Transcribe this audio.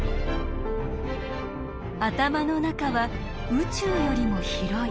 頭の中は宇宙よりも広い。